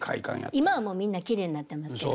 今はもうみんなきれいになってますけど。